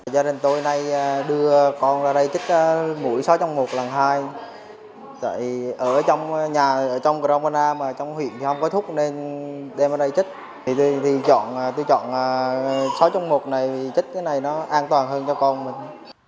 gia đình tôi nay đưa con ra đây chích mũi sáu trong một lần hai ở trong crong anna mà trong huyện thì không có thuốc nên đem ra đây chích thì tôi chọn sáu trong một này vì chích cái này nó an toàn hơn cho con mình